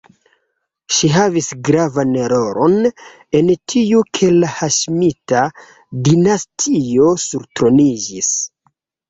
Ŝi havis gravan rolon en tiu, ke la Haŝimita-dinastio surtroniĝis.